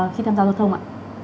khi tham gia rượu thông ạ